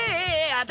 私